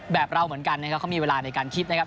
แบบเราเหมือนกันนะครับเขามีเวลาในการคิดนะครับ